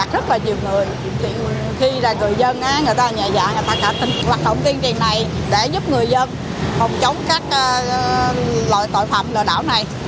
thì khi là người dân người ta nhạy dạng người ta thả tính vận động tuyên truyền này để giúp người dân không chống các loại tội phạm lợi đảo này